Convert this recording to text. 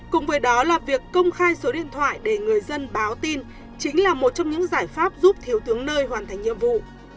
cùng với đó là việc công khai số điện thoại để người dân báo tin chính là một trong những giải pháp giúp thiếu tướng nơi hoàn thành nhiệm vụ